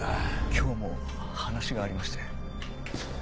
今日も話がありまして。